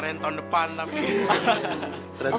tren tahun depan nam gitu